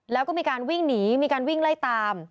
แล้วก็มีการวิ่งหนีมีการวิ่งไล่ตาม